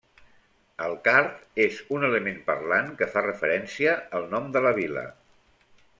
El card és un element parlant que fa referència al nom de la vila.